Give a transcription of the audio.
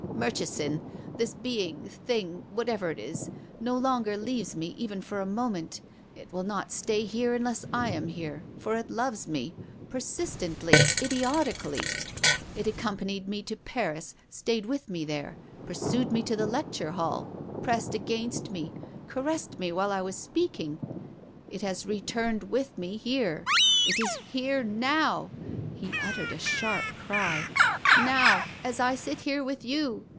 " Murchison, this being, thing — whatever it is — no longer leaves me even for a n.oment. It will not stay here unless I am here, for it loves me, persistently, idiotically. It accompanied me to Paris, stayed with me there, pursued me to the lecture hall, pressed against me, caressed me while I was speaking. It has returned with me here. It is here now," — he uttered a sharp cry, —" now, as I sit here with you.